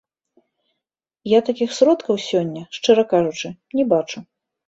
Я такіх сродкаў сёння, шчыра кажучы, не бачу.